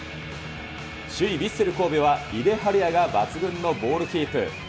首位ヴィッセル神戸は、井出はるやが抜群のボールキープ。